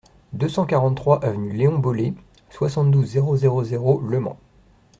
deux cent quarante-trois avenue Léon Bollée, soixante-douze, zéro zéro zéro, Le Mans